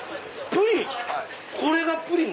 これがプリン？